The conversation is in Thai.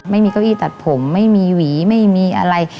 ไม่มีเก้าอี้ตัดผมไม่มีหวีไม่มีอะไร